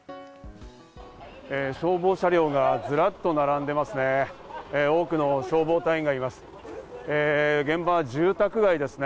消防車両がずらっと並んでいますね。